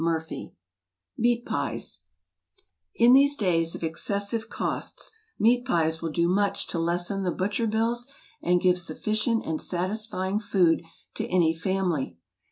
Meat Pies I N these days of excessive costs, meat pies will do much to lessen the butcher bills and give sufficient and satisfying food to any family.